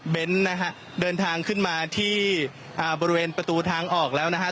เบนท์นะครับเดินทางขึ้นมาที่บริเวณประตูทางออกแล้วนะครับ